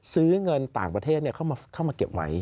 ซื้อเงินต่างประเทศเข้ามาเก็บไว้